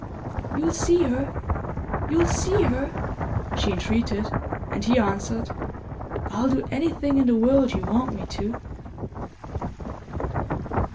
"You'll see her? You'll see her?" she entreated; and he answered: "I'll do anything in the world you want me to."